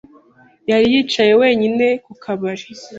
yari yicaye wenyine ku kabari.